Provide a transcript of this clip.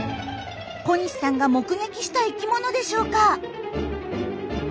小西さんが目撃した生きものでしょうか？